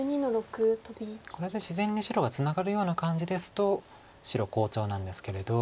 これで自然に白がツナがるような感じですと白好調なんですけれど。